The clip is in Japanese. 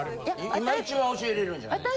今一番教えられるんじゃないですか。